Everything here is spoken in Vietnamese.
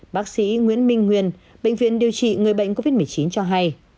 bác sĩ nguyễn minh nguyên bệnh viện điều trị người bệnh covid một mươi chín cho hay